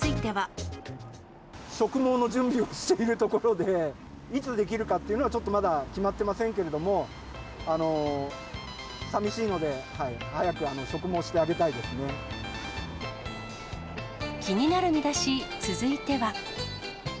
今、植毛の準備をしているところで、いつできるかっていうのは、ちょっとまだ決まってませんけれども、さみしいので、気になるミダシ、続いては。